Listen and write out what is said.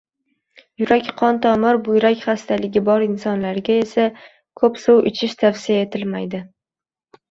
Yurak qon-tomir, buyrak xastaligi bor insonlarga esa koʻp suv ichish tavsiya etilmaydi.